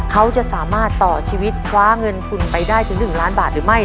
เขาจะสามารถต่อชีวิตคว้าเงินทุนไปได้ถึง๑ล้านบาทหรือไม่